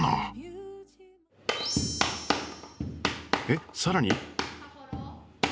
えっさらに。